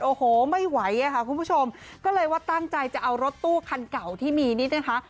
โอ้โหไม่ไหวอ่ะค่ะคุณผู้ชมก็เลยว่าตั้งใจจะเอารถตู้คันเก่าที่มีนี่นะคะ